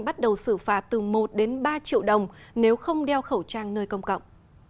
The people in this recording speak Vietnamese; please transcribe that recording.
bắt đầu xử phạt từ một đến ba triệu đồng nếu không đeo khẩu trang nơi công cộng